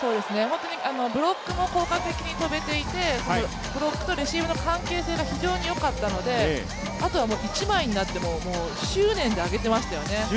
ブロックも効果的に跳べていて、ブロックとレシーブの関係性が非常によかったので、あとは一枚になっても執念で上げてましたよね。